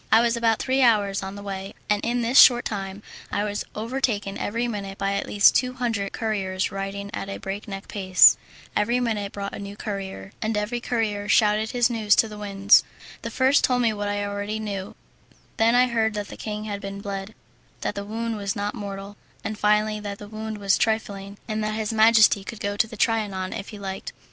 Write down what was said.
I was about three hours on the way, and in this short time I was overtaken every minute by at least two hundred couriers riding at a breakneck pace. Every minute brought a new courier, and every courier shouted his news to the winds. The first told me what I already knew; then I heard that the king had been bled, that the wound was not mortal, and finally, that the wound was trifling, and that his majesty could go to the Trianon if he liked.